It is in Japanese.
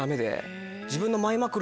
自分の。